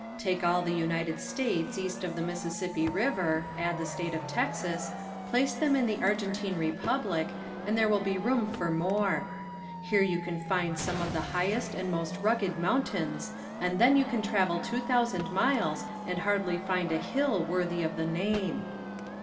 Take all the United States east of the Mississippi river, add the state of Texas, place them in the Argentine Republic and there will be room for more. Here you can find some of the highest and most rugged mountains and then you can travel two thousand miles and hardly find a hill worthy of the name.